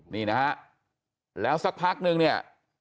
นี่นะฮะแล้วสักพักนึงเนี่ย